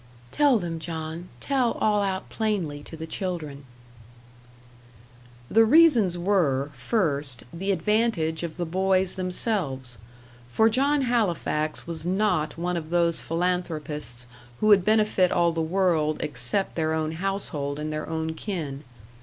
"Tell them, John; tell all out plainly to the children." The reasons were first, the advantage of the boys themselves; for John Halifax was not one of those philanthropists who would benefit all the world except their own household and their own kin.